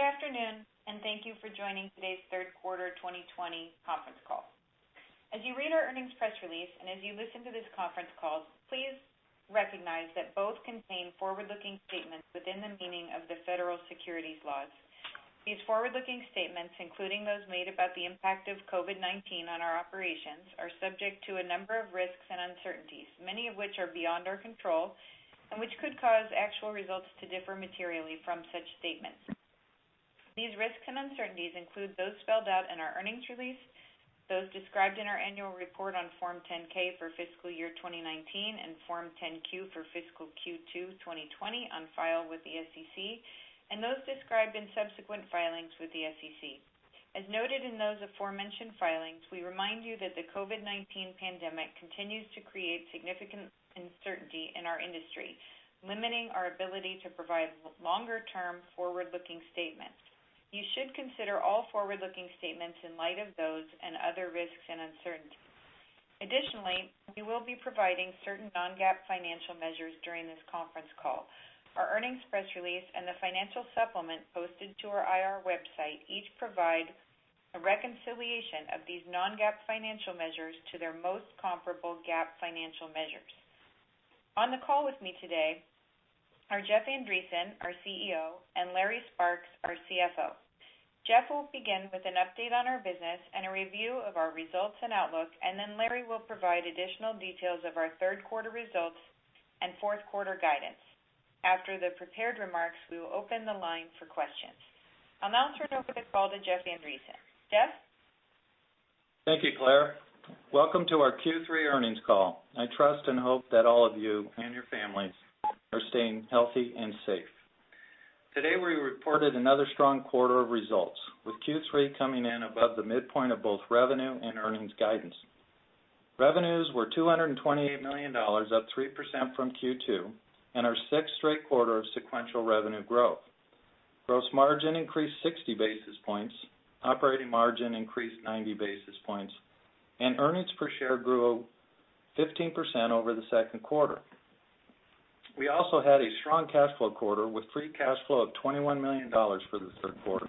Good afternoon, and thank you for joining today's third quarter 2020 conference call. As you read our earnings press release, and as you listen to this conference call, please recognize that both contain forward-looking statements within the meaning of the federal securities laws. These forward-looking statements, including those made about the impact of COVID-19 on our operations, are subject to a number of risks and uncertainties, many of which are beyond our control, and which could cause actual results to differ materially from such statements. These risks and uncertainties include those spelled out in our earnings release, those described in our annual report on Form 10-K for fiscal year 2019, and Form 10-Q for fiscal Q2 2020, on file with the SEC, and those described in subsequent filings with the SEC. As noted in those aforementioned filings, we remind you that the COVID-19 pandemic continues to create significant uncertainty in our industry, limiting our ability to provide longer-term forward-looking statements. You should consider all forward-looking statements in light of those and other risks and uncertainties. Additionally, we will be providing certain non-GAAP financial measures during this conference call. Our earnings press release and the financial supplement posted to our IR website each provide a reconciliation of these non-GAAP financial measures to their most comparable GAAP financial measures. On the call with me today are Jeff Andreson, our CEO, and Larry Sparks, our CFO. Jeff will begin with an update on our business and a review of our results and outlook, and then Larry will provide additional details of our third quarter results and fourth quarter guidance. After the prepared remarks, we will open the line for questions. I'll now turn over the call to Jeff Andreson. Jeff? Thank you, Claire. Welcome to our Q3 earnings call. I trust and hope that all of you and your families are staying healthy and safe. Today, we reported another strong quarter of results, with Q3 coming in above the midpoint of both revenue and earnings guidance. Revenues were $228 million, up 3% from Q2, and our sixth straight quarter of sequential revenue growth. Gross margin increased 60 basis points, operating margin increased 90 basis points, and earnings per share grew 15% over the second quarter. We also had a strong cash flow quarter with free cash flow of $21 million for the third quarter.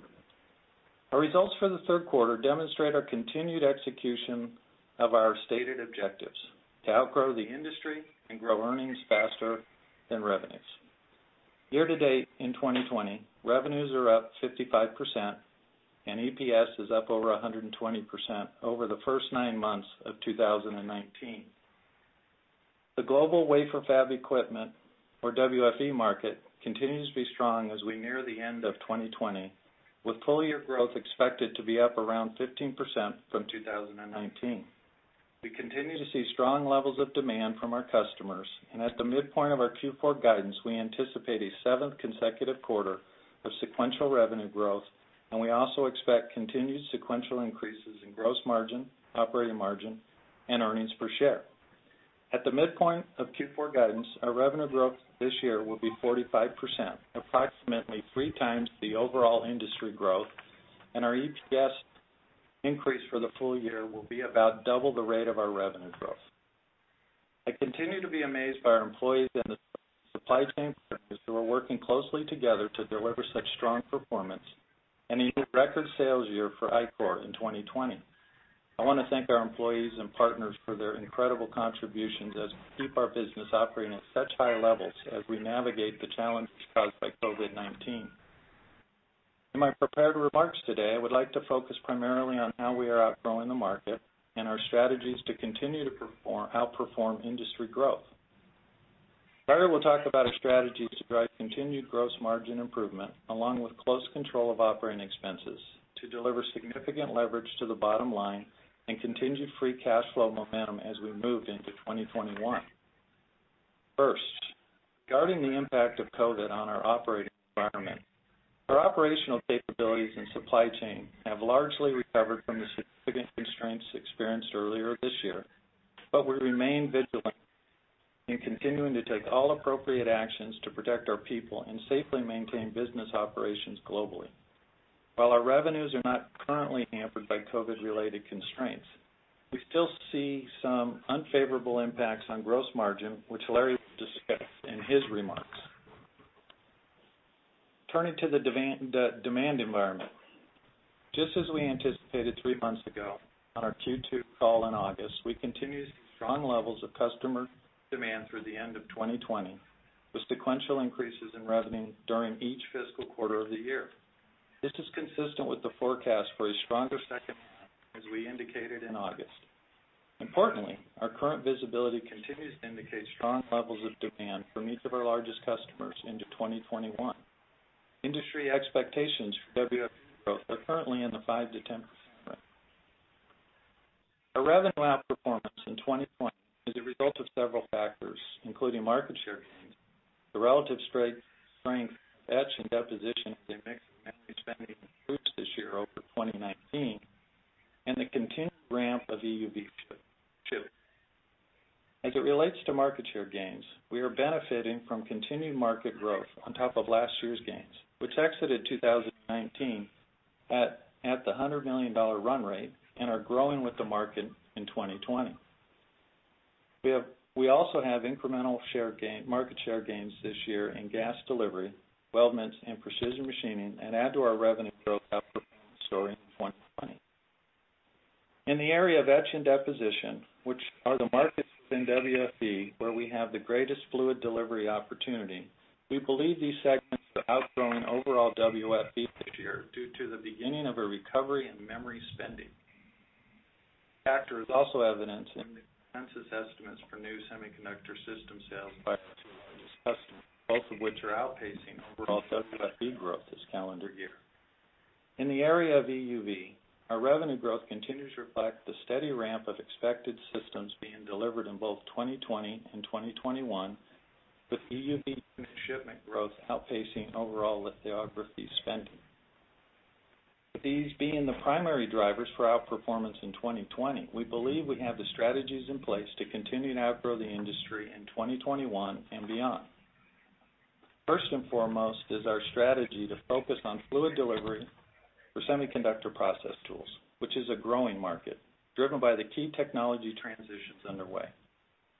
Our results for the third quarter demonstrate our continued execution of our stated objectives: to outgrow the industry and grow earnings faster than revenues. Year to date in 2020, revenues are up 55%, and EPS is up over 120% over the first nine months of 2019. The global wafer fab equipment, or WFE market, continues to be strong as we near the end of 2020, with full-year growth expected to be up around 15% from 2019. We continue to see strong levels of demand from our customers, and at the midpoint of our Q4 guidance, we anticipate a seventh consecutive quarter of sequential revenue growth, and we also expect continued sequential increases in gross margin, operating margin, and earnings per share. At the midpoint of Q4 guidance, our revenue growth this year will be 45%, approximately 3x the overall industry growth, and our EPS increase for the full year will be about double the rate of our revenue growth. I continue to be amazed by our employees and the supply chain partners who are working closely together to deliver such strong performance, and a new record sales year for Ichor in 2020. I want to thank our employees and partners for their incredible contributions as we keep our business operating at such high levels as we navigate the challenges caused by COVID-19. In my prepared remarks today, I would like to focus primarily on how we are outgrowing the market, and our strategies to continue to outperform industry growth. Later, we'll talk about our strategies to drive continued gross margin improvement, along with close control of operating expenses to deliver significant leverage to the bottom line, and continued free cash flow momentum as we move into 2021. First, regarding the impact of COVID on our operating environment. Our operational capabilities and supply chain have largely recovered from the significant constraints experienced earlier this year. We remain vigilant in continuing to take all appropriate actions to protect our people and safely maintain business operations globally. While our revenues are not currently hampered by COVID-related constraints, we still see some unfavorable impacts on gross margin, which Larry will discuss in his remarks. Turning to the demand environment. Just as we anticipated three months ago on our Q2 call in August, we continue to see strong levels of customer demand through the end of 2020, with sequential increases in revenue during each fiscal quarter of the year. This is consistent with the forecast for a stronger second half, as we indicated in August. Importantly, our current visibility continues to indicate strong levels of demand from each of our largest customers into 2021. Industry expectations for WFE growth are currently in the 5%-10% range. Our revenue outperformance in 2020 is a result of several factors, including market share gains, the relative strength of etch and deposition as a mix of memory spending improves this year over 2019, and the continued ramp of EUV chip. As it relates to market share gains, we are benefiting from continued market growth on top of last year's gains, which exited 2019 at the $100 million run rate, and are growing with the market in 2020. We also have incremental market share gains this year in gas delivery, weldments, and precision machining, and add to our revenue growth. [inaudible] In the area of etch and deposition, which are the markets within WFE where we have the greatest fluid delivery opportunity, we believe these segments are outgrowing overall WFE this year due to the beginning of a recovery in memory spending. This factor is also evident in the consensus estimates for new semiconductor system sales by our two largest customers, both of which are outpacing overall WFE growth this calendar year. In the area of EUV, our revenue growth continues to reflect the steady ramp of expected systems being delivered in both 2020 and 2021, with EUV unit shipment growth outpacing overall lithography spending. With these being the primary drivers for outperformance in 2020, we believe we have the strategies in place to continue to outgrow the industry in 2021 and beyond. First and foremost is our strategy to focus on fluid delivery for semiconductor process tools, which is a growing market, driven by the key technology transitions underway.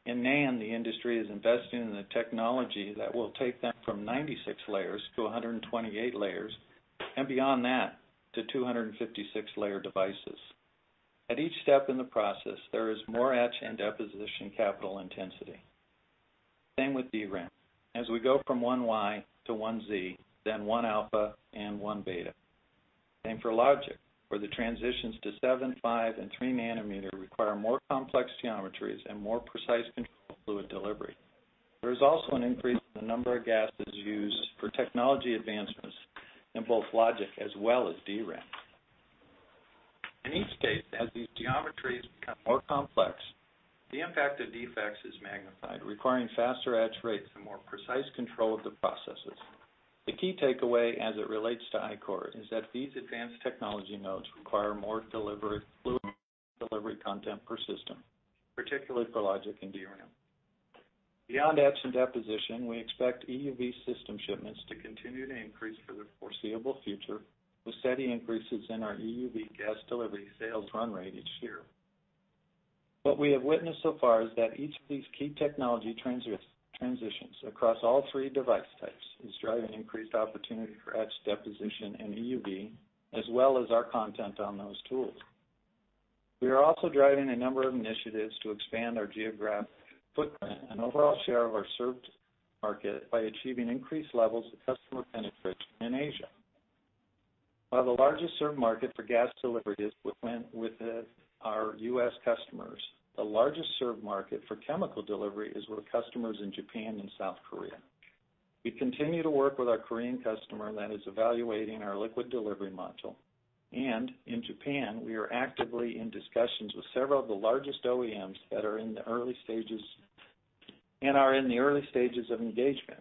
In NAND, the industry is investing in the technology that will take them from 96 layers to 128 layers, and beyond that, to 256-layer devices. At each step in the process, there is more etch and deposition capital intensity. Same with DRAM, as we go from 1Y to 1Z, then 1-alpha and 1-beta. Same for logic, where the transitions to seven, five, and three nanometer require more complex geometries and more precise control of fluid delivery. There is also an increase in the number of gases used for technology advancements in both logic as well as DRAM. In each case, as these geometries become more complex, the impact of defects is magnified, requiring faster etch rates and more precise control of the processes. The key takeaway as it relates to Ichor is that these advanced technology nodes require more fluid delivery content per system, particularly for logic and DRAM. Beyond etch and deposition, we expect EUV system shipments to continue to increase for the foreseeable future, with steady increases in our EUV gas delivery sales run rate each year. What we have witnessed so far is that each of these key technology transitions across all three device types is driving increased opportunity for etch, deposition, and EUV, as well as our content on those tools. We are also driving a number of initiatives to expand our geographic footprint and overall share of our served market by achieving increased levels of customer penetration in Asia. While the largest served market for gas delivery is within our U.S. customers, the largest served market for chemical delivery is with customers in Japan and South Korea. We continue to work with our Korean customer that is evaluating our liquid delivery module. In Japan, we are actively in discussions with several of the largest OEMs that are in the early stages of engagement.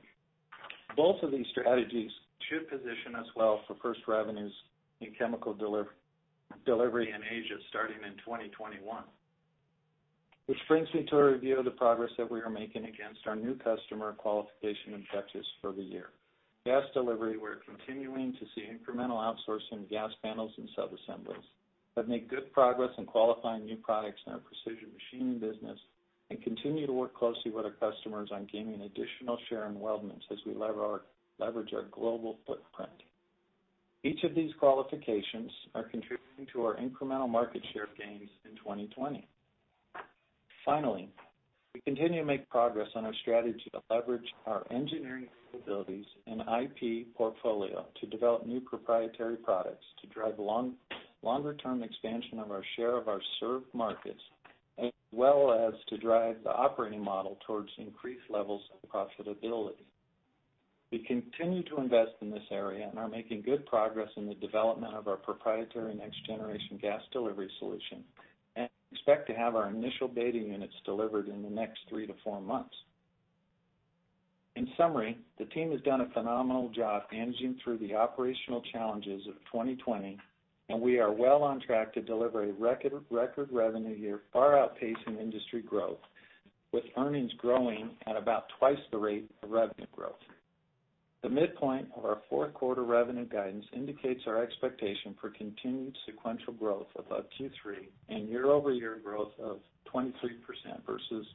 Both of these strategies should position us well for first revenues in chemical delivery in Asia starting in 2021. Which brings me to a review of the progress that we are making against our new customer qualification objectives for the year. Gas delivery, we're continuing to see incremental outsourcing of gas panels and subassemblies. We've made good progress in qualifying new products in our precision machining business and continue to work closely with our customers on gaining additional share in weldments as we leverage our global footprint. Each of these qualifications are contributing to our incremental market share gains in 2020. Finally, we continue to make progress on our strategy to leverage our engineering capabilities and IP portfolio to develop new proprietary products to drive longer-term expansion of our share of our served markets, as well as to drive the operating model towards increased levels of profitability. We continue to invest in this area and are making good progress in the development of our proprietary next-generation gas delivery solution, and we expect to have our initial beta units delivered in the next three to four months. In summary, the team has done a phenomenal job managing through the operational challenges of 2020, and we are well on track to deliver a record revenue year, far outpacing industry growth, with earnings growing at about twice the rate of revenue growth. The midpoint of our fourth quarter revenue guidance indicates our expectation for continued sequential growth above Q3 and year-over-year growth of 23% versus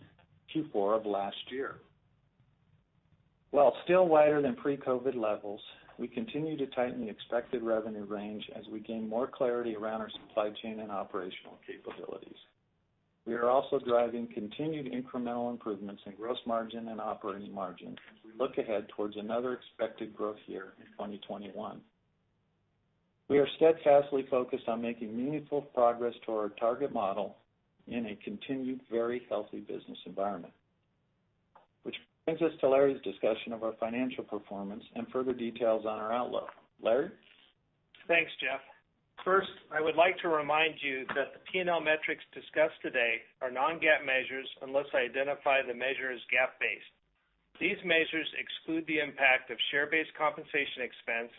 Q4 of last year. While still wider than pre-COVID-19 levels, we continue to tighten the expected revenue range as we gain more clarity around our supply chain and operational capabilities. We are also driving continued incremental improvements in gross margin and operating margin as we look ahead towards another expected growth year in 2021. We are steadfastly focused on making meaningful progress toward our target model in a continued very healthy business environment. Which brings us to Larry's discussion of our financial performance and further details on our outlook. Larry? Thanks, Jeff. I would like to remind you that the P&L metrics discussed today are non-GAAP measures unless I identify the measure as GAAP-based. These measures exclude the impact of share-based compensation expense,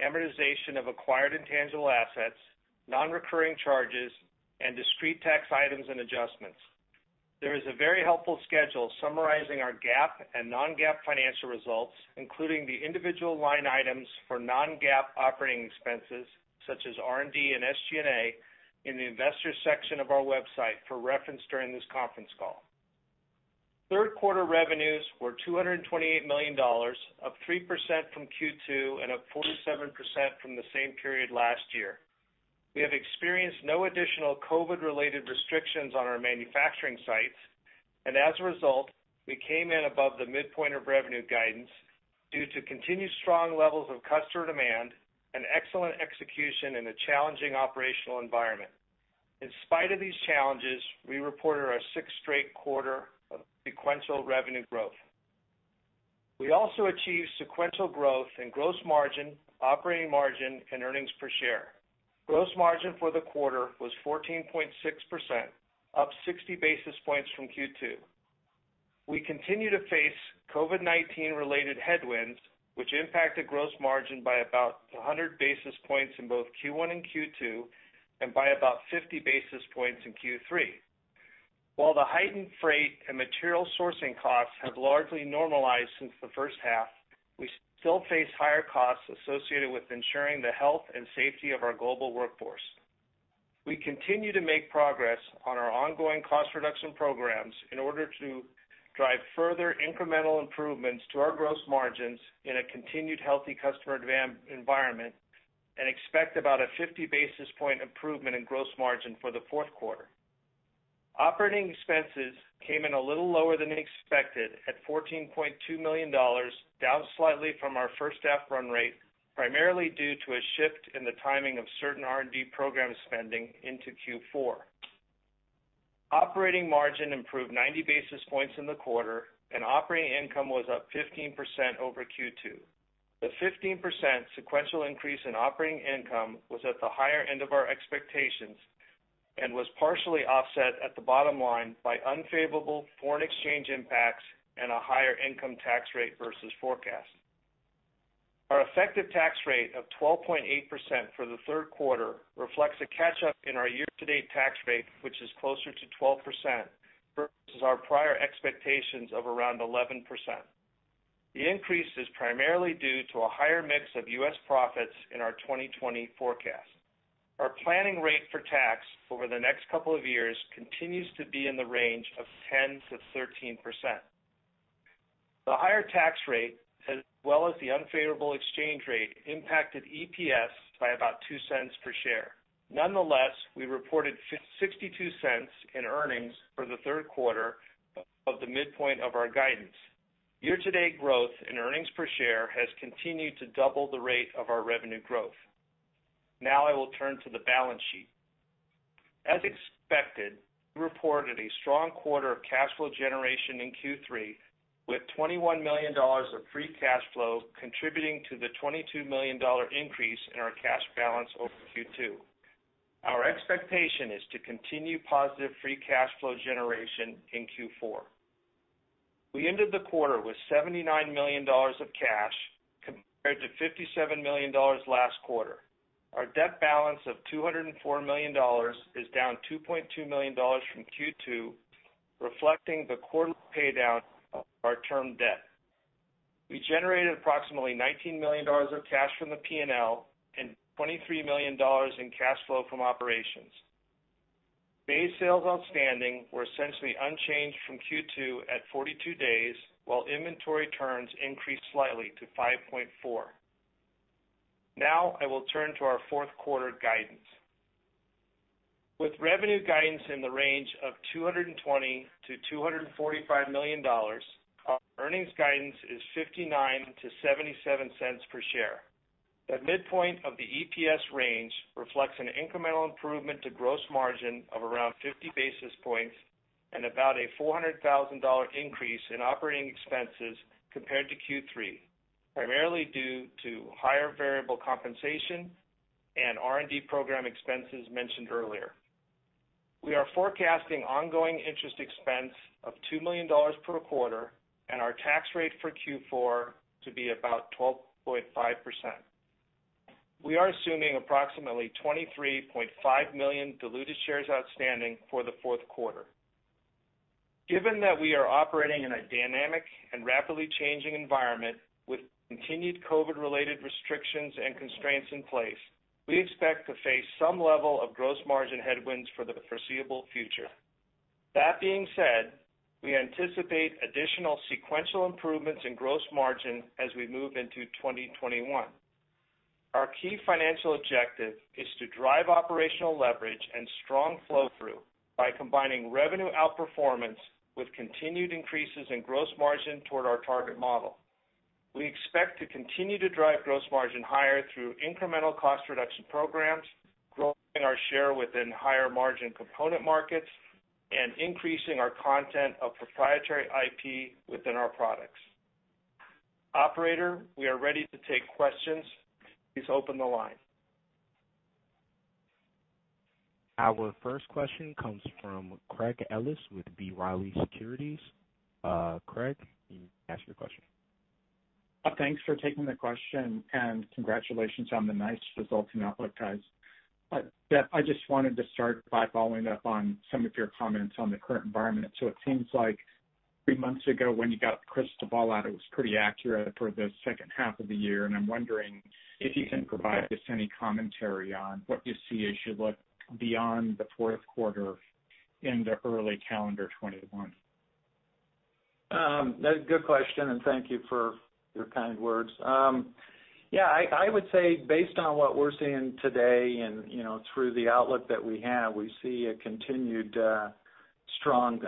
amortization of acquired intangible assets, non-recurring charges, and discrete tax items and adjustments. There is a very helpful schedule summarizing our GAAP and non-GAAP financial results, including the individual line items for non-GAAP operating expenses such as R&D and SG&A in the Investors section of our website for reference during this conference call. Third quarter revenues were $228 million, up 3% from Q2 and up 47% from the same period last year. We have experienced no additional COVID-related restrictions on our manufacturing sites and as a result, we came in above the midpoint of revenue guidance due to continued strong levels of customer demand and excellent execution in a challenging operational environment. In spite of these challenges, we reported our sixth straight quarter of sequential revenue growth. We also achieved sequential growth in gross margin, operating margin, and earnings per share. Gross margin for the quarter was 14.6%, up 60 basis points from Q2. We continue to face COVID-19 related headwinds, which impacted gross margin by about 100 basis points in both Q1 and Q2, and by about 50 basis points in Q3. While the heightened freight and material sourcing costs have largely normalized since the first half, we still face higher costs associated with ensuring the health and safety of our global workforce. We continue to make progress on our ongoing cost reduction programs in order to drive further incremental improvements to our gross margins in a continued healthy customer demand environment and expect about a 50 basis point improvement in gross margin for the fourth quarter. Operating expenses came in a little lower than expected at $14.2 million, down slightly from our first half run rate, primarily due to a shift in the timing of certain R&D program spending into Q4. Operating margin improved 90 basis points in the quarter, and operating income was up 15% over Q2. The 15% sequential increase in operating income was at the higher end of our expectations and was partially offset at the bottom line by unfavorable foreign exchange impacts and a higher income tax rate versus forecast. Our effective tax rate of 12.8% for the third quarter reflects a catch-up in our year-to-date tax rate, which is closer to 12% versus our prior expectations of around 11%. The increase is primarily due to a higher mix of U.S. profits in our 2020 forecast. Our planning rate for tax over the next couple of years continues to be in the range of 10%-13%. The higher tax rate, as well as the unfavorable exchange rate, impacted EPS by about $0.02 per share. Nonetheless, we reported $0.62 in earnings for the third quarter of the midpoint of our guidance. Year-to-date growth in earnings per share has continued to double the rate of our revenue growth. I will turn to the balance sheet. As expected, we reported a strong quarter of cash flow generation in Q3 with $21 million of free cash flow contributing to the $22 million increase in our cash balance over Q2. Our expectation is to continue positive free cash flow generation in Q4. We ended the quarter with $79 million of cash compared to $57 million last quarter. Our debt balance of $204 million is down $2.2 million from Q2, reflecting the quarterly paydown of our term debt. We generated approximately $19 million of cash from the P&L and $23 million in cash flow from operations. Days sales outstanding were essentially unchanged from Q2 at 42 days, while inventory turns increased slightly to 5.4. Now I will turn to our fourth quarter guidance. With revenue guidance in the range of $220 million-$245 million, our earnings guidance is $0.59-$0.77 per share. The midpoint of the EPS range reflects an incremental improvement to gross margin of around 50 basis points and about a $400,000 increase in operating expenses compared to Q3, primarily due to higher variable compensation and R&D program expenses mentioned earlier. We are forecasting ongoing interest expense of $2 million per quarter and our tax rate for Q4 to be about 12.5%. We are assuming approximately 23.5 million diluted shares outstanding for the fourth quarter. Given that we are operating in a dynamic and rapidly changing environment with continued COVID-related restrictions and constraints in place, we expect to face some level of gross margin headwinds for the foreseeable future. That being said, we anticipate additional sequential improvements in gross margin as we move into 2021. Our key financial objective is to drive operational leverage and strong flow-through by combining revenue outperformance with continued increases in gross margin toward our target model. We expect to continue to drive gross margin higher through incremental cost reduction programs, growing our share within higher margin component markets, and increasing our content of proprietary IP within our products. Operator, we are ready to take questions. Please open the line. Our first question comes from Craig Ellis with B. Riley Securities. Craig, you may ask your question. Thanks for taking the question and congratulations on the nice results and outlook, guys. I just wanted to start by following up on some of your comments on the current environment. It seems like three months ago when you got the crystal ball out, it was pretty accurate for the second half of the year. I'm wondering if you can provide just any commentary on what you see as you look beyond the fourth quarter into early calendar 2021. Good question. Thank you for your kind words. I would say based on what we're seeing today and through the outlook that we have, we see a continued strong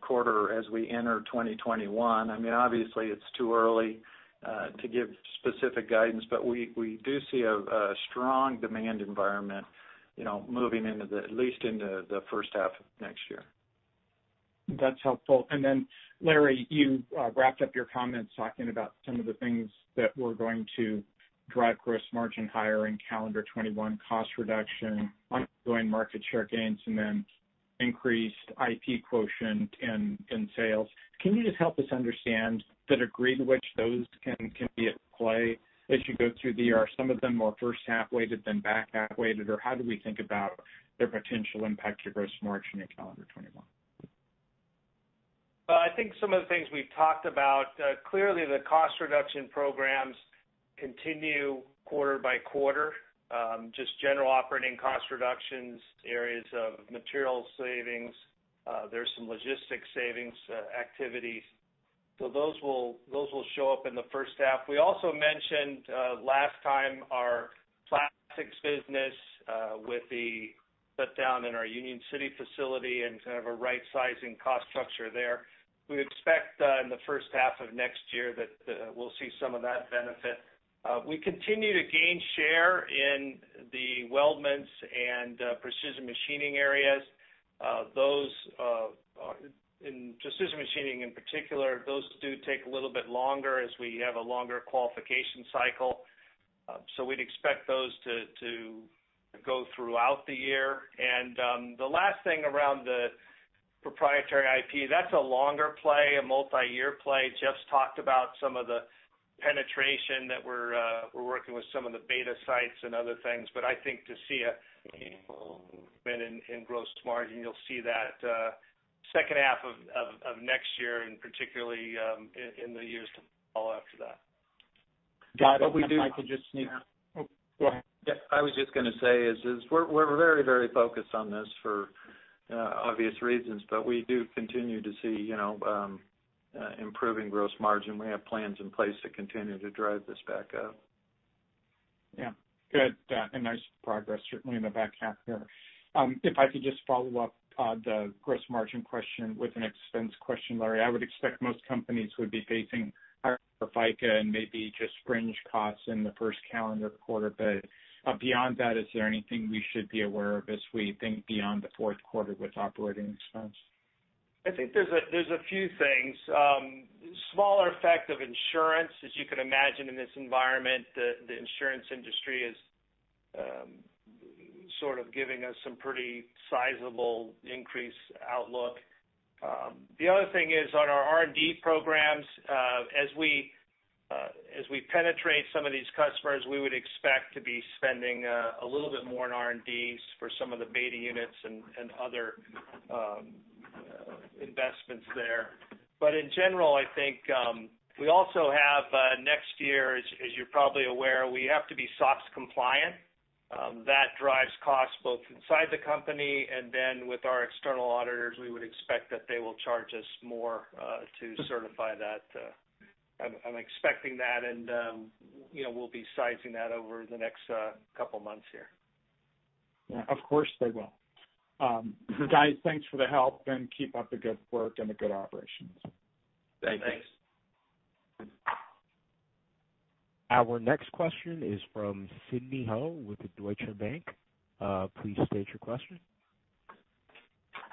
quarter as we enter 2021. Obviously, it's too early to give specific guidance. We do see a strong demand environment moving at least into the first half of next year. That's helpful. Then Larry, you wrapped up your comments talking about some of the things that were going to drive gross margin higher in calendar 2021, cost reduction, ongoing market share gains, and then increased IP quotient in sales. Can you just help us understand the degree to which those can be at play as you go through the year? Are some of them more first half weighted than back half weighted, or how do we think about their potential impact to gross margin in calendar 2021? I think some of the things we've talked about. Clearly, the cost reduction programs continue quarter by quarter. Just general operating cost reductions, areas of material savings. There are some logistics savings activities. Those will show up in the first half. We also mentioned last time our plastics business with the put down in our Union City facility and a rightsizing cost structure there. We expect in the first half of next year that we'll see some of that benefit. We continue to gain share in the weldments and precision machining areas. In precision machining in particular, those do take a little bit longer as we have a longer qualification cycle. We'd expect those to go throughout the year. The last thing around the proprietary IP, that's a longer play, a multi-year play, Jeff's talked about some of the penetration that we're working with some of the beta sites and other things, but I think to see [inaudible] in gross margin, you'll see that second half of next year, and particularly in the years all after that. Got it. But we do-- Yeah. Yeah. I was just going to say is we're very focused on this for obvious reasons, but we do continue to see improving gross margin. We have plans in place to continue to drive this back up. Yeah. Good. Nice progress, certainly in the back half there. If I could just follow up the gross margin question with an expense question, Larry. I would expect most companies would be facing higher FICA and maybe just fringe costs in the first calendar quarter. Beyond that, is there anything we should be aware of as we think beyond the fourth quarter with operating expense? I think there's a few things. Smaller effect of insurance as you can imagine in this environment, the insurance industry is giving us some pretty sizable increase outlook. The other thing is on our R&D programs, as we penetrate some of these customers, we would expect to be spending a little bit more on R&Ds for some of the beta units and other investments there. In general, I think we also have next year, as you're probably aware, we have to be SOX compliant. That drives costs both inside the company and then with our external auditors, we would expect that they will charge us more to certify that. I'm expecting that, and we'll be sizing that over the next couple of months here. Yeah. Of course, they will. Guys, thanks for the help, and keep up the good work and the good operations. Thanks. Thanks. Our next question is from Sidney Ho with the Deutsche Bank. Please state your question.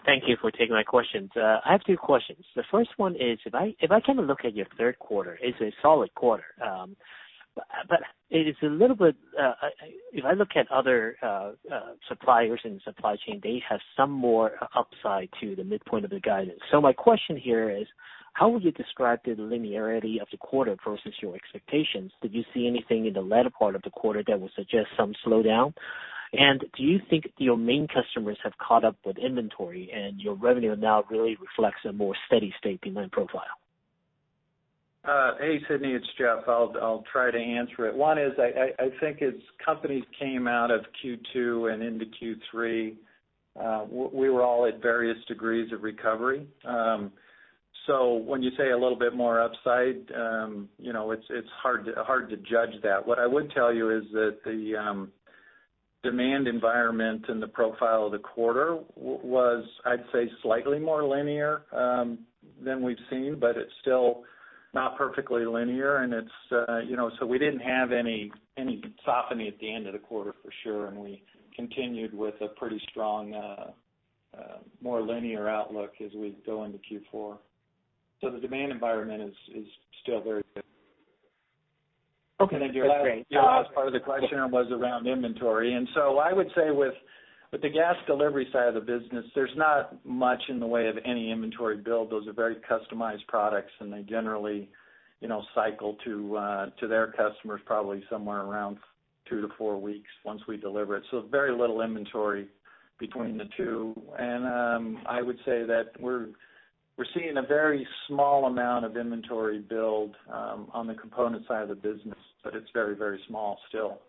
Thank you for taking my questions. I have two questions. The first one is, if I take a look at your third quarter, it's a solid quarter. If I look at other suppliers in the supply chain, they have some more upside to the midpoint of the guidance. My question here is, how would you describe the linearity of the quarter versus your expectations? Did you see anything in the latter part of the quarter that would suggest some slowdown? Do you think your main customers have caught up with inventory and your revenue now really reflects a more steady state demand profile? Hey, Sidney, it's Jeff. I'll try to answer it. One is I think as companies came out of Q2 and into Q3, we were all at various degrees of recovery. When you say a little bit more upside, it's hard to judge that. What I would tell you is that the demand environment and the profile of the quarter was, I'd say, slightly more linear than we've seen, but it's still not perfectly linear. We didn't have any softening at the end of the quarter for sure, and we continued with a pretty strong, more linear outlook as we go into Q4. The demand environment is still very good. Okay. That's great. Your last part of the question was around inventory. I would say with the gas delivery side of the business, there's not much in the way of any inventory build. Those are very customized products, and they generally cycle to their customers probably somewhere around two to four weeks once we deliver it. Very little inventory between the two. I would say that we're seeing a very small amount of inventory build on the component side of the business, but it's very small still.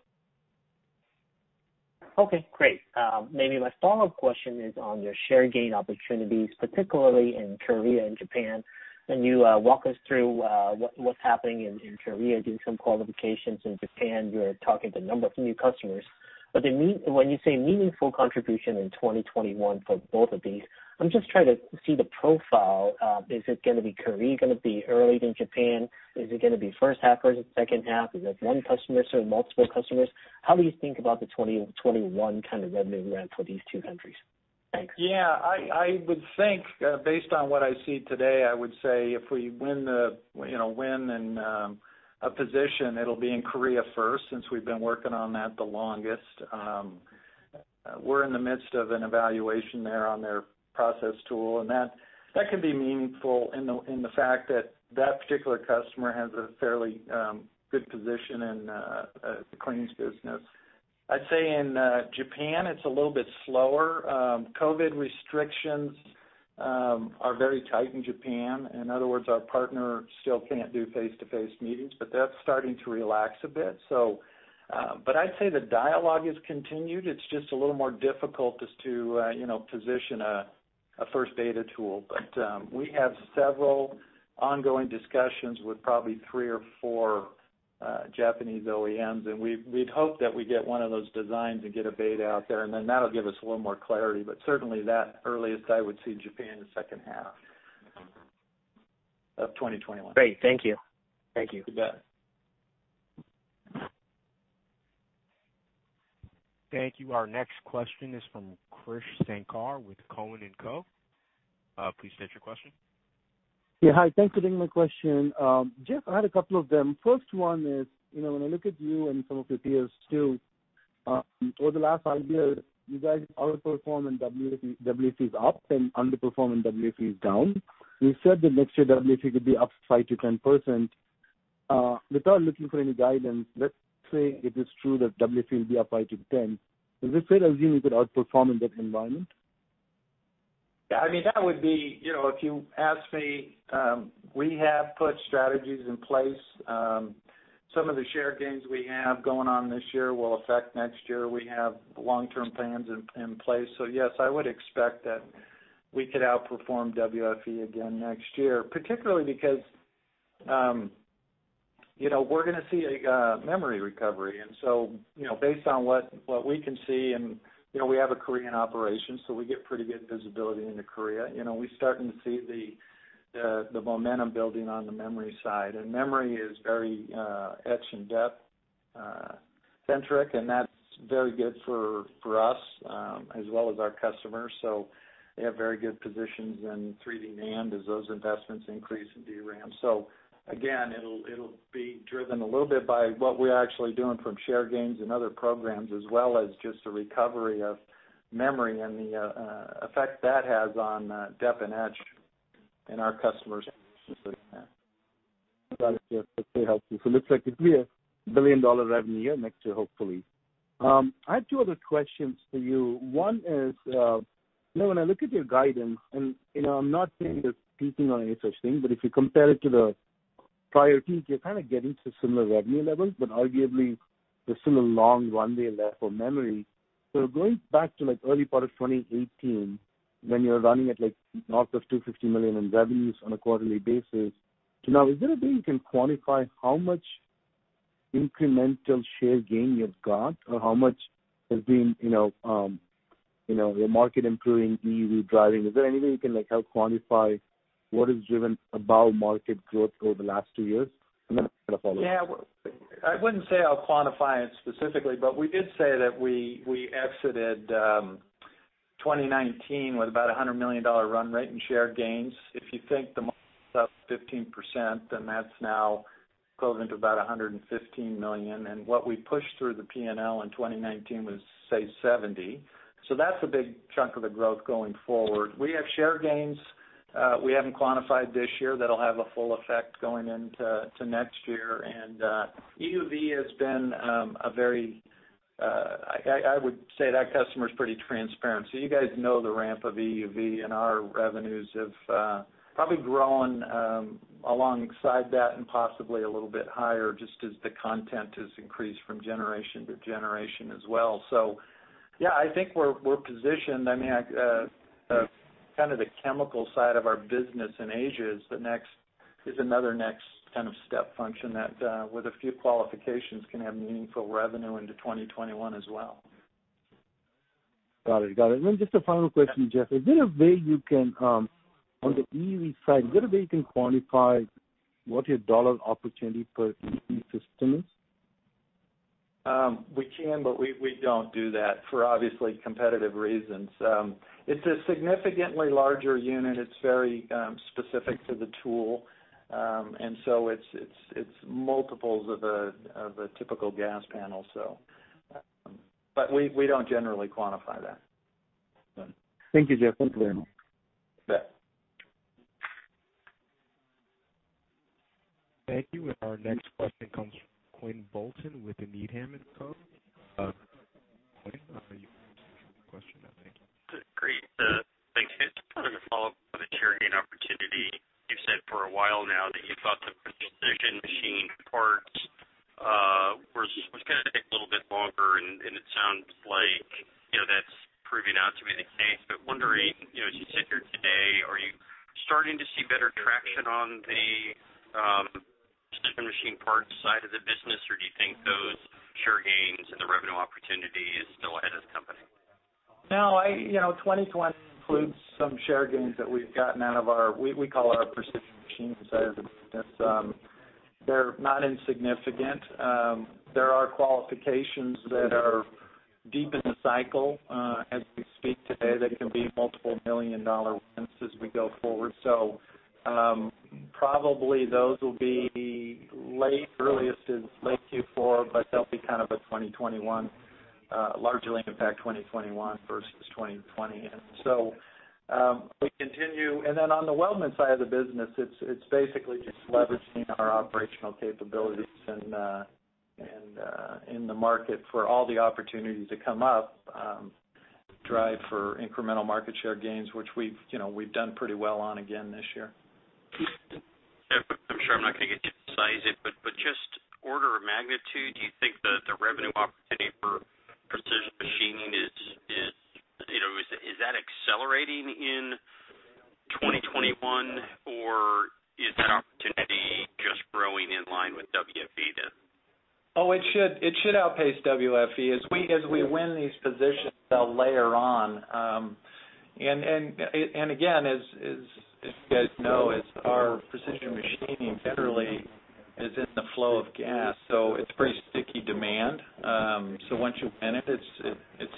Okay, great. Maybe my follow-up question is on your share gain opportunities, particularly in Korea and Japan. Can you walk us through what's happening in Korea, doing some qualifications in Japan, you're talking to a number of new customers. When you say meaningful contribution in 2021 for both of these, I'm just trying to see the profile. Is it going to be Korea, going to be early in Japan? Is it going to be first half or is it second half? Is it one customer or multiple customers? How do you think about the 2021 kind of revenue ramp for these two countries? Thanks. Yeah, I would think, based on what I see today, I would say if we win in a position, it'll be in Korea first, since we've been working on that the longest. We're in the midst of an evaluation there on their process tool, and that can be meaningful in the fact that that particular customer has a fairly good position in the cleans business. I'd say in Japan, it's a little bit slower. COVID restrictions are very tight in Japan. In other words, our partner still can't do face-to-face meetings, but that's starting to relax a bit. I'd say the dialogue is continued, it's just a little more difficult as to position a first beta tool. We have several ongoing discussions with probably three or four Japanese OEMs, and we'd hope that we get one of those designs and get a beta out there, and then that'll give us a little more clarity. Certainly, that earliest I would see Japan the second half of 2021. Great. Thank you. You bet. Thank you. Our next question is from Krish Sankar with Cowen and Co. Please state your question. Yeah, hi. Thanks for taking my question. Jeff, I had a couple of them. First one is, when I look at you and some of your peers, too, over the last five years, you guys outperform when WFE is up and underperform when WFE is down. You said that next year WFE could be up 5%-10%. Without looking for any guidance, let's say it is true that WFE will be up 5%-10%. Is it fair to assume you could outperform in that environment? Yeah, if you ask me, we have put strategies in place. Some of the share gains we have going on this year will affect next year. We have long-term plans in place. Yes, I would expect that we could outperform WFE again next year, particularly because we're going to see a memory recovery, and so based on what we can see, and we have a Korean operation, so we get pretty good visibility into Korea. We're starting to see the momentum building on the memory side, and memory is very etch and deposition-centric, and that's very good for us as well as our customers. They have very good positions in 3D NAND as those investments increase in DRAM. Again, it'll be driven a little bit by what we're actually doing from share gains and other programs, as well as just the recovery of memory and the effect that has on deposition and etch in our customers'. Got it, Jeff. That's very helpful. Looks like a clear billion-dollar revenue year next year, hopefully. I have two other questions for you. One is, when I look at your guidance, and I'm not saying it's peaking or any such thing, but if you compare it to the prior peaks, you're kind of getting to similar revenue levels, but arguably, there's still a long runway left for memory. Going back to early part of 2018, when you were running at north of $250 million in revenues on a quarterly basis to now, is there a way you can quantify how much incremental share gain you've got or how much has been the market improving, EUV driving? Is there any way you can help quantify what has driven above-market growth over the last two years? Then I have a follow-up. Yeah. I wouldn't say I'll quantify it specifically, but we did say that we exited 2019 with about $100 million run rate in share gains. If you think the market's up 15%, then that's now equivalent to about $115 million, and what we pushed through the P&L in 2019 was, say, $70 million. That's a big chunk of the growth going forward. We have share gains we haven't quantified this year that'll have a full effect going into next year, and I would say that customer's pretty transparent. You guys know the ramp of EUV, and our revenues have probably grown alongside that and possibly a little bit higher, just as the content has increased from generation to generation as well. Yeah, I think we're positioned. Kind of the chemical side of our business in Asia is another next kind of step function that, with a few qualifications, can have meaningful revenue into 2021 as well. Got it. Just a final question, Jeff. Is there a way you can, on the EUV side, is there a way you can quantify what your dollar opportunity per EUV system is? We can, but we don't do that, for obviously competitive reasons. It's a significantly larger unit. It's very specific to the tool. It's multiples of a typical gas panel. We don't generally quantify that. Thank you, Jeff. Thanks very much. You bet. Thank you. Our next question comes from Quinn Bolton with Needham & Company. [inaudible] [inaudible] for a while now that you thought the precision machine parts was going to take a little bit longer, and it sounds like that's proving out to be the case. Wondering, as you sit here today, are you starting to see better traction on the precision machine parts side of the business, or do you think those share gains and the revenue opportunity is still ahead of the company? 2020 includes some share gains that we've gotten out of our, we call our precision machine side of the business. They're not insignificant. There are qualifications that are deep in the cycle as we speak today that can be multiple million-dollar wins as we go forward. Probably those will be earliest is late Q4, but they'll be kind of a 2021, largely impact 2021 versus 2020. On the weldment side of the business, it's basically just leveraging our operational capabilities in the market for all the opportunities that come up, drive for incremental market share gains, which we've done pretty well on again this year. I'm sure I'm not going to get you to size it, but just order of magnitude, do you think the revenue opportunity for precision machining, is that accelerating in 2021, or is that opportunity just growing in line with WFE then? It should outpace WFE. As we win these positions, they'll layer on. Again, as you guys know, our precision machining literally is in the flow of gas, so it's pretty sticky demand. Once you win it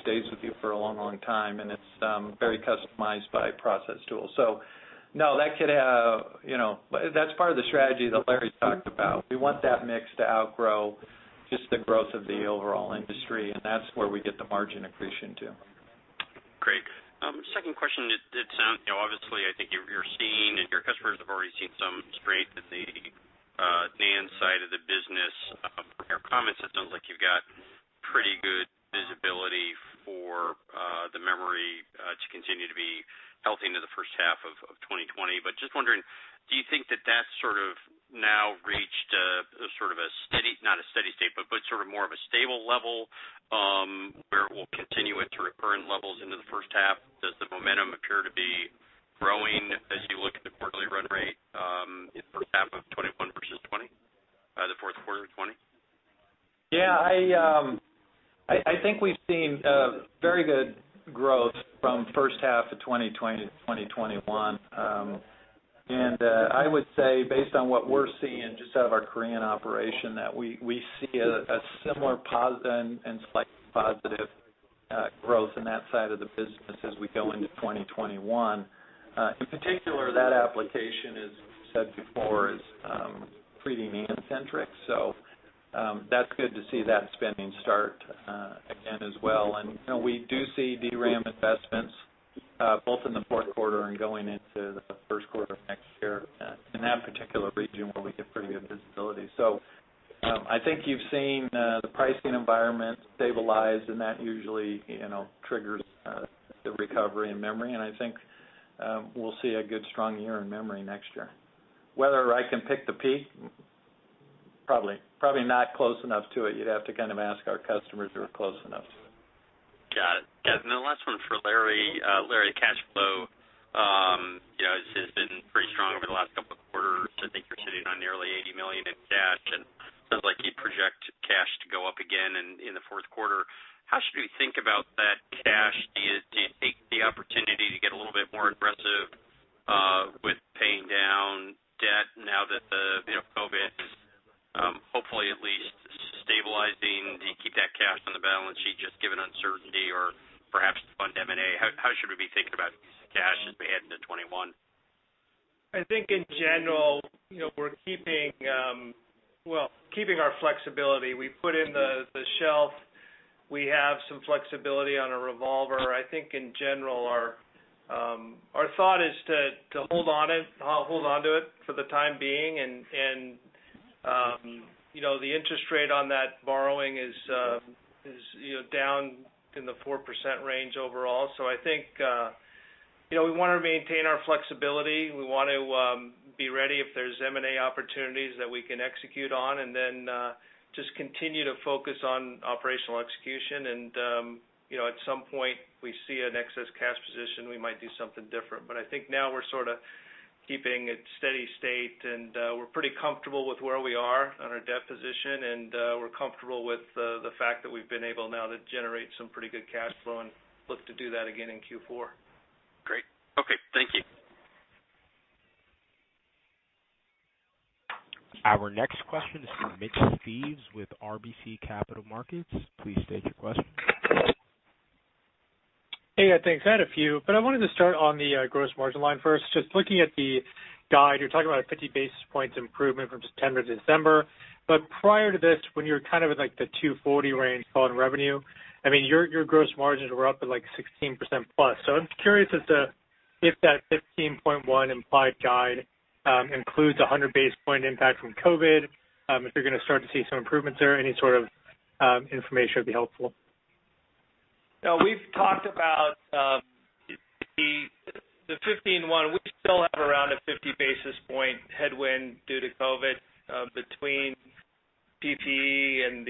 stays with you for a long, long time, and it's very customized by process tools. No, that's part of the strategy that Larry talked about. We want that mix to outgrow just the growth of the overall industry, and that's where we get the margin accretion too. Great. Second question. I think you're seeing, and your customers have already seen some strength in the NAND side of the business. From your comments, it sounds like you've got pretty good visibility for the memory to continue to be healthy into the first half of 2020. Just wondering, do you think that that's sort of now reached a sort of a steady, not a steady state, but sort of more of a stable level, where it will continue at to current levels into the first half? Does the momentum appear to be growing as you look at the quarterly run rate in the first half of 2021 versus 2020, the fourth quarter of 2020? I think we've seen very good growth from first half of 2020 to 2021. I would say based on what we're seeing just out of our Korean operation, that we see a similar and slightly positive growth in that side of the business as we go into 2021. In particular, that application, as we said before, is pretty NAND-centric. That's good to see that spending start again as well. We do see DRAM investments both in the fourth quarter and going into the first quarter of next year in that particular region where we get pretty good visibility. I think you've seen the pricing environment stabilize, and that usually triggers the recovery in memory, and I think we'll see a good strong year in memory next year. Whether I can pick the peak, probably not close enough to it. You'd have to kind of ask our customers who are close enough to it. Got it. The last one for Larry. Larry, cash flow has been pretty strong over the last couple of quarters. I think you're sitting on nearly $80 million in cash, and it sounds like you project cash to go up again in the fourth quarter. How should we think about that cash? Do you take the opportunity to get a little bit more aggressive with paying down debt now that the COVID is hopefully at least stabilizing? Do you keep that cash on the balance sheet just given uncertainty or perhaps to fund M&A? How should we be thinking about cash as we head into 2021? I think in general we're keeping our flexibility. We put in the shelf. We have some flexibility on a revolver. I think in general, our thought is to hold onto it for the time being, and the interest rate on that borrowing is down in the 4% range overall. I think we want to maintain our flexibility. We want to be ready if there's M&A opportunities that we can execute on, and then just continue to focus on operational execution. At some point, we see an excess cash position, we might do something different. I think now we're sort of keeping it steady state, and we're pretty comfortable with where we are on our debt position, and we're comfortable with the fact that we've been able now to generate some pretty good cash flow and look to do that again in Q4. Great. Okay. Thank you. Our next question is from Mitch Steves with RBC Capital Markets. Please state your question. Hey, guys. Thanks. I had a few, but I wanted to start on the gross margin line first. Just looking at the guide, you're talking about a 50 basis points improvement from just September to December. Prior to this, when you were kind of in like the 240 range call it revenue, I mean, your gross margins were up at like 16%+. I'm curious if that 15.1% implied guide includes 100 basis point impact from COVID, if you're going to start to see some improvements there, any sort of information would be helpful. We've talked about the 15.1%. We still have around a 50 basis point headwind due to COVID, between PPE, and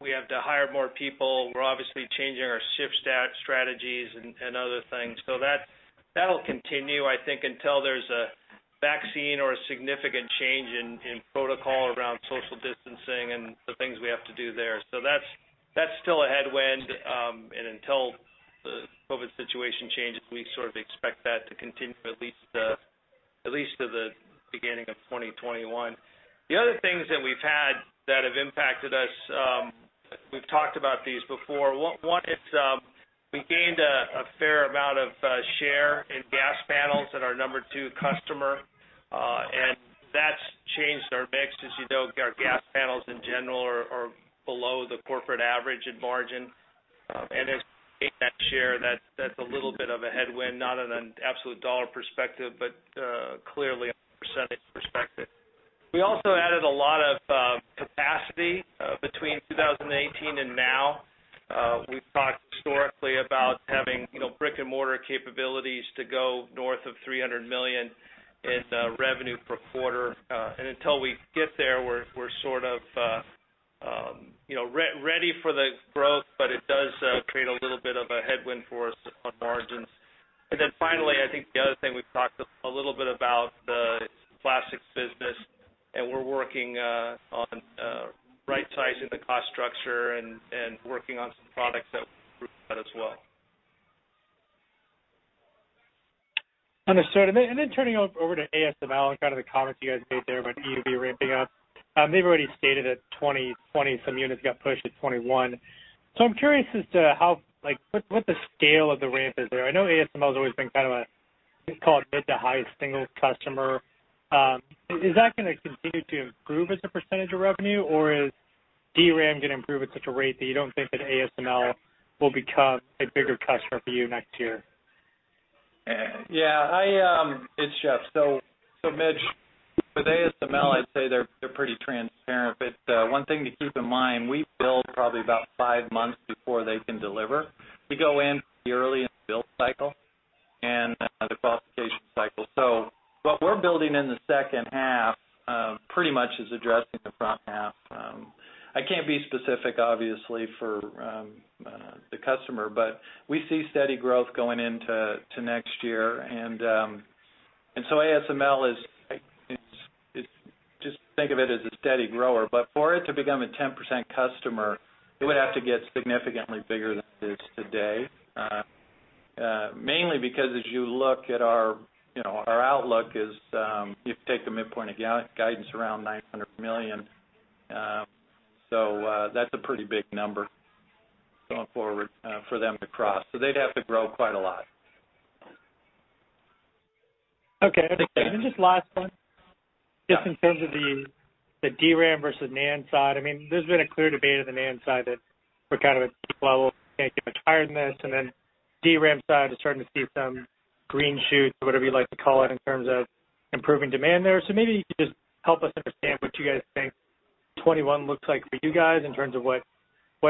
we have to hire more people. We're obviously changing our shift strategies and other things. That'll continue, I think, until there's a vaccine or a significant change in protocol around social distancing and the things we have to do there. That's still a headwind, and until the COVID situation changes, we sort of expect that to continue for at least to the beginning of 2021. The other things that we've had that have impacted us, we've talked about these before. One is we gained a fair amount of share in gas panels at our number two customer, and that's changed our mix, as you know, our gas panels in general are below the corporate average in margin. As we gain that share, that's a little bit of a headwind, not in an absolute dollar perspective, but clearly a percentage perspective. We also added a lot of capacity between 2018 and now. We've talked historically about having brick-and-mortar capabilities to go north of $300 million in revenue per quarter. Until we get there, we're sort of ready for the growth, but it does create a little bit of a headwind for us on margins. Finally, I think the other thing we've talked a little bit about, the plastics business, and we're working on rightsizing the cost structure and working on some products [inaudible] Understood. Turning over to ASML and the comments you guys made there about EUV ramping up. They've already stated that 2020 some units got pushed to 2021. I'm curious as to what the scale of the ramp is there. I know ASML's always been a, call it mid to high single customer. Is that going to continue to improve as a percentage of revenue, or is DRAM going to improve at such a rate that you don't think that ASML will become a bigger customer for you next year? Yeah, it's Jeff. Mitch, with ASML, I'd say they're pretty transparent. One thing to keep in mind, we build probably about five months before they can deliver. We go in fairly early in the build cycle and the qualification cycle. What we're building in the second half pretty much is addressing the front half. I can't be specific, obviously, for the customer, but we see steady growth going into to next year. ASML is, just think of it as a steady grower. For it to become a 10% customer, it would have to get significantly bigger than it is today. Mainly because as you look at our outlook is, if you take the midpoint of guidance, around $900 million. That's a pretty big number going forward for them to cross. They'd have to grow quite a lot. Okay. Just last one. Yeah. In terms of the DRAM versus NAND side, there's been a clear debate on the NAND side that we're kind of at peak level, can't get much higher in this, DRAM side is starting to see some green shoots or whatever you'd like to call it, in terms of improving demand there. Maybe you could just help us understand what you guys think 2021 looks like for you guys in terms of what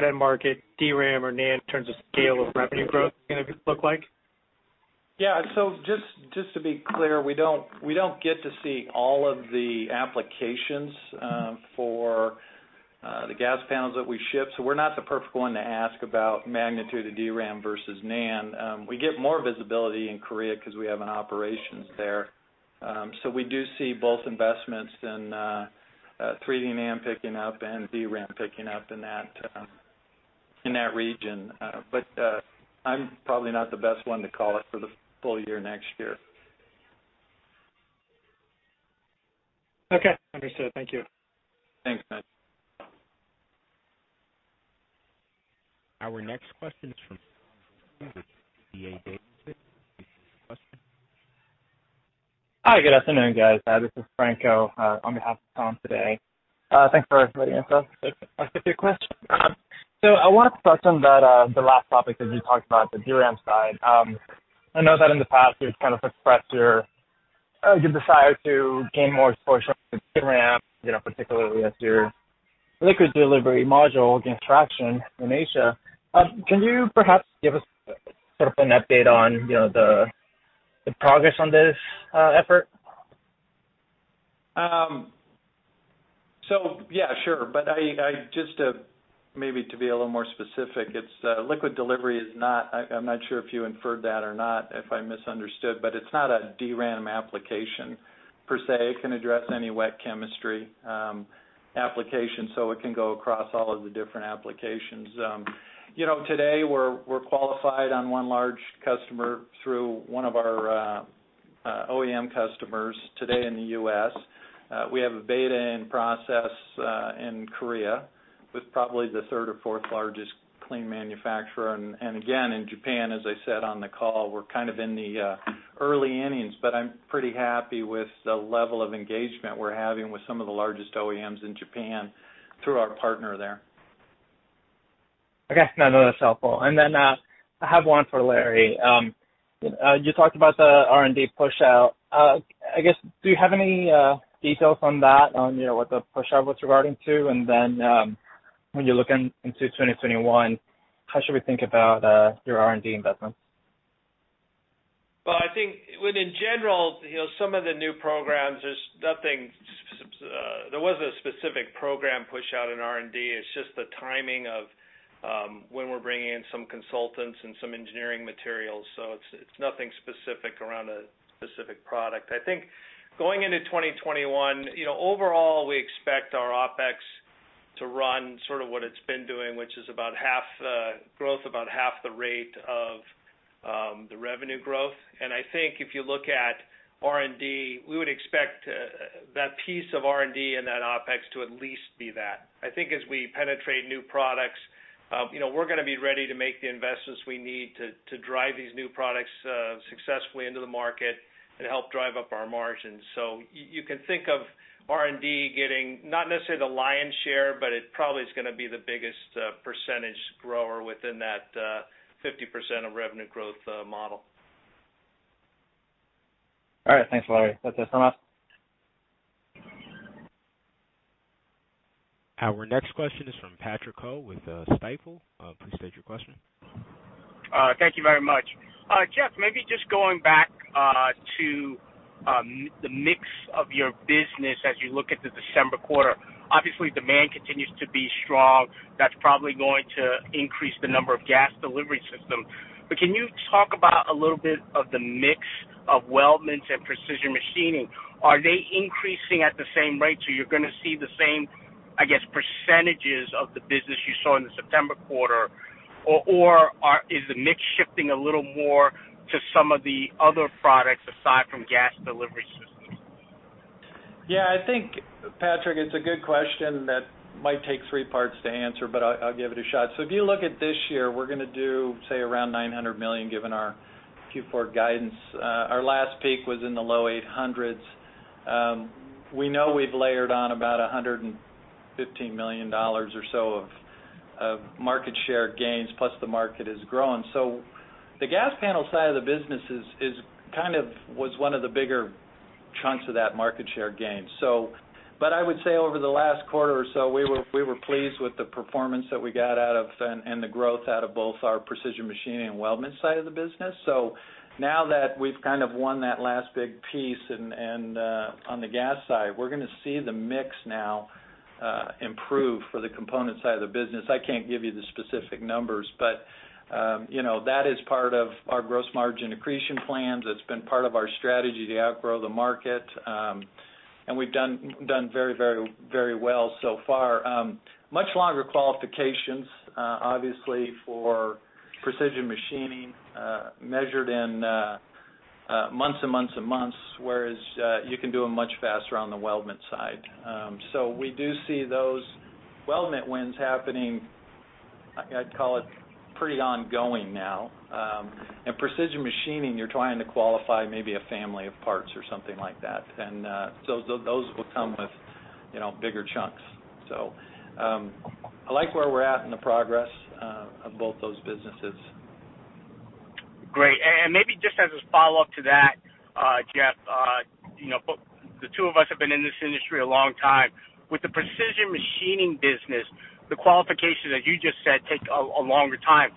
end market, DRAM or NAND, in terms of scale of revenue growth is going to look like. Just to be clear, we don't get to see all of the applications for the gas panels that we ship, we're not the perfect one to ask about magnitude of DRAM versus NAND. We get more visibility in Korea because we have an operations there. We do see both investments in 3D NAND picking up and DRAM picking up in that region. I'm probably not the best one to call it for the full year next year. Okay. Understood. Thank you. Thanks, Mitch. Our next question is from [inaudible] D.A. Davidson. [inaudible] Hi, good afternoon, guys. This is Franco, on behalf of Tom today. Thanks for letting us ask a few questions. I want to touch on the last topic that you talked about, the DRAM side. I know that in the past, you've kind of expressed your desire to gain more exposure with DRAM, particularly with your liquid delivery module gaining traction in Asia. Can you perhaps give us sort of an update on the progress on this effort? Yeah, sure. Just to maybe to be a little more specific, liquid delivery is not, I'm not sure if you inferred that or not, if I misunderstood, but it's not a DRAM application per se. It can address any wet chemistry application, so it can go across all of the different applications. Today, we're qualified on one large customer through one of our OEM customers today in the U.S. We have a beta in process in Korea with probably the third or fourth largest clean manufacturer. Again, in Japan, as I said on the call, we're kind of in the early innings, but I'm pretty happy with the level of engagement we're having with some of the largest OEMs in Japan through our partner there. Okay. No, that's helpful. I have one for Larry. You talked about the R&D pushout. I guess, do you have any details on that, on what the pushout was regarding to? When you look into 2021, how should we think about your R&D investments? I think in general, some of the new programs, there was a specific program pushout in R&D. It's just the timing of when we're bringing in some consultants and some engineering materials. It's nothing specific around a specific product. I think going into 2021, overall, we expect our OpEx to run sort of what it's been doing, which is about half the growth, about half the rate of the revenue growth. I think if you look at R&D, we would expect that piece of R&D and that OpEx to at least be that. I think as we penetrate new products, we're going to be ready to make the investments we need to drive these new products successfully into the market and help drive up our margins. You can think of R&D getting, not necessarily the lion's share, but it probably is going to be the biggest percentage grower within that 50% of revenue growth model. All right. Thanks, Larry. That's a wrap. Our next question is from Patrick Ho with Stifel. Please state your question. Thank you very much. Jeff, maybe just going back to the mix of your business as you look at the December quarter. Obviously, demand continues to be strong. That's probably going to increase the number of gas delivery systems. Can you talk about a little bit of the mix of weldments and precision machining? Are they increasing at the same rate, so you're going to see the same, I guess, percentages of the business you saw in the September quarter? Is the mix shifting a little more to some of the other products aside from gas delivery systems? Yeah, I think, Patrick, it's a good question that might take three parts to answer, but I'll give it a shot. If you look at this year, we're going to do, say, around $900 million, given our Q4 guidance. Our last peak was in the low 800s. We know we've layered on about $115 million or so of market share gains, plus the market has grown. The gas panel side of the business kind of was one of the bigger chunks of that market share gain. I would say over the last quarter or so, we were pleased with the performance that we got out of, and the growth out of both our precision machining and weldment side of the business. Now that we've kind of won that last big piece on the gas side, we're going to see the mix now improve for the component side of the business. I can't give you the specific numbers, but that is part of our gross margin accretion plans. It's been part of our strategy to outgrow the market. We've done very well so far. Much longer qualifications, obviously, for precision machining, measured in months and months and months, whereas you can do them much faster on the weldment side. We do see those weldment wins happening, I'd call it pretty ongoing now. In precision machining, you're trying to qualify maybe a family of parts or something like that. Those will come with bigger chunks. I like where we're at in the progress of both those businesses. Great. Maybe just as a follow-up to that, Jeff, the two of us have been in this industry a long time. With the precision machining business, the qualifications, as you just said, take a longer time.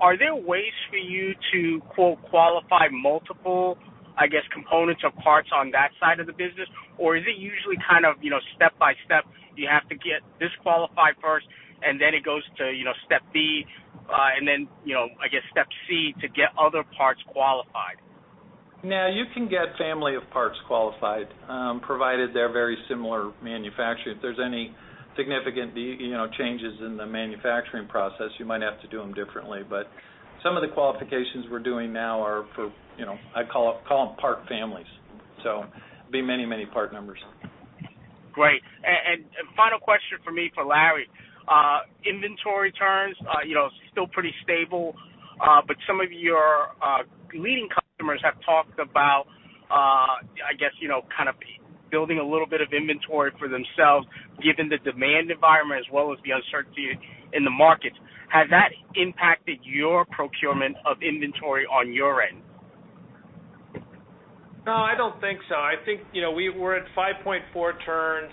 Are there ways for you to, quote, "qualify" multiple, I guess, components or parts on that side of the business? Is it usually kind of step-by-step, you have to get this qualified first, and then it goes to step B, and then, I guess, step C to get other parts qualified? You can get family of parts qualified, provided they're very similar manufacturing. If there's any significant changes in the manufacturing process, you might have to do them differently. Some of the qualifications we're doing now are for, I call them part families. It'd be many part numbers. Great. Final question from me for Larry. Inventory turns, still pretty stable. Some of your leading customers have talked about, I guess, kind of building a little bit of inventory for themselves, given the demand environment as well as the uncertainty in the markets. Has that impacted your procurement of inventory on your end? No, I don't think so. I think we're at 5.4 turns.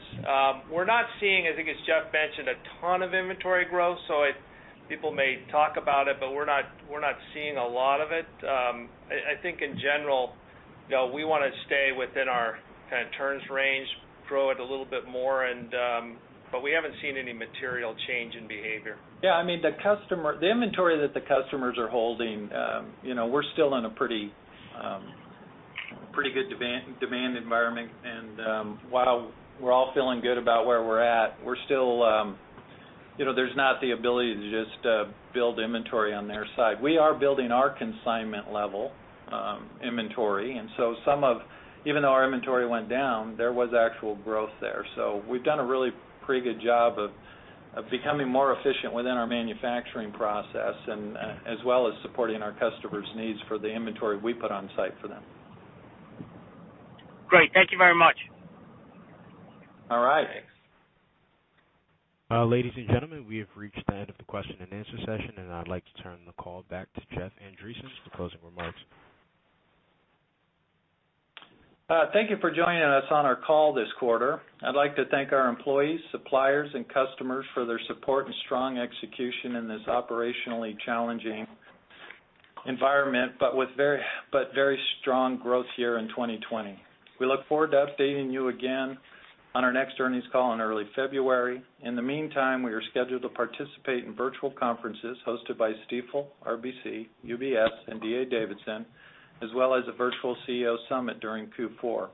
We're not seeing, I think as Jeff mentioned, a ton of inventory growth. People may talk about it, but we're not seeing a lot of it. I think in general, we want to stay within our kind of turns range, grow it a little bit more, but we haven't seen any material change in behavior. Yeah, the inventory that the customers are holding, we're still in a pretty good demand environment. While we're all feeling good about where we're at, there's not the ability to just build inventory on their side. We are building our consignment level inventory. Even though our inventory went down, there was actual growth there. We've done a really pretty good job of becoming more efficient within our manufacturing process, as well as supporting our customers' needs for the inventory we put on site for them. Great. Thank you very much. All right. Thanks. Ladies and gentlemen, we have reached the end of the question and answer session. I'd like to turn the call back to Jeff Andreson for closing remarks. Thank you for joining us on our call this quarter. I'd like to thank our employees, suppliers, and customers for their support and strong execution in this operationally challenging environment, but very strong growth here in 2020. We look forward to updating you again on our next earnings call in early February. In the meantime, we are scheduled to participate in virtual conferences hosted by Stifel, RBC, UBS, and D.A. Davidson, as well as a virtual CEO summit during Q4.